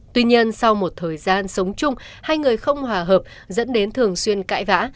tuy nhiên sau một thời gian sống chung hai người không hòa hợp dẫn đến thường xuyên cãi vã